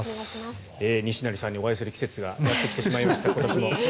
西成さんにお会いする季節が今年もやってきてまいりました。